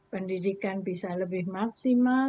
pendidikan bisa lebih maksimal